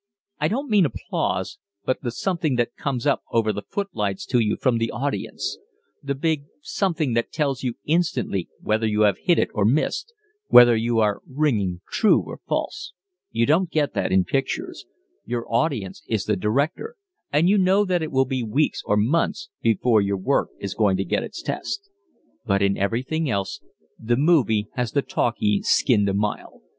I don't mean applause, but the something that comes up over the footlights to you from the audience, the big something that tells you instantly whether you have hit it or missed, whether you are ringing true or false. You don't get that in the pictures. Your audience is the director, and you know that it will be weeks or months before your work is going to get its test. "But in everything else, the movie has the talkie skinned a mile.